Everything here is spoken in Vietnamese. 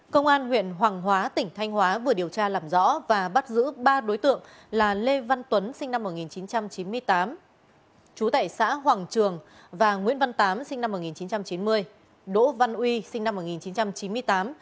công an huyện hoàng hóa tỉnh thanh hóa vừa điều tra làm rõ và bắt giữ ba đối tượng là lê văn tuấn sinh năm một nghìn chín trăm chín mươi tám chú tại xã hoàng trường và nguyễn văn tám sinh năm một nghìn chín trăm chín mươi đỗ văn uy sinh năm một nghìn chín trăm chín mươi tám